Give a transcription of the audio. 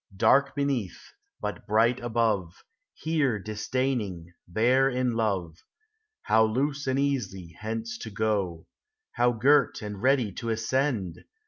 Dark beneath, but blight above; Here disdaining, there in love. How loose and easy hence to go! How girt and ready to ascend!